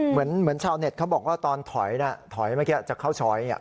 เหมือนเหมือนชาวเน็ตเขาบอกว่าตอนถอยน่ะถอยเมื่อกี้จะเข้าชอยอย่างเงี้ย